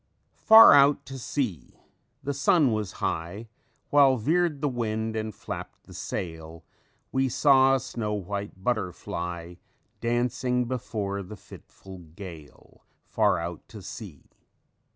"_Far out at sea the sun was high, While veered the wind and flapped the sail; We saw a snow white butterfly Dancing before the fitful gale Far out at sea.